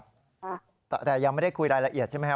ค่ะแต่ยังไม่ได้คุยรายละเอียดใช่ไหมครับ